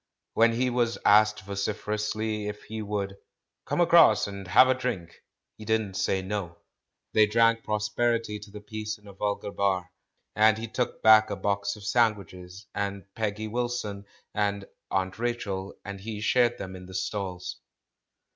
When he was asked vociferously if he would "come across and have a drink," he didn't say "no." They drank prosperity to the piece in a vulgar bar. And he took back a box of sandwiches, and Peggy Wil son, and "Aunt Rachel," and he shared them in the stalls.